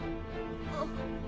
あっ。